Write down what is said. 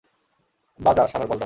বাজা, শালার বলদা।